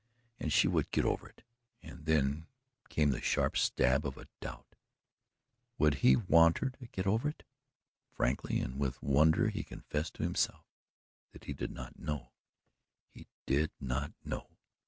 and she would get over it, and then came the sharp stab of a doubt would he want her to get over it? Frankly and with wonder he confessed to himself that he did not know he did not know.